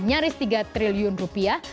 nyaris tiga triliun rupiah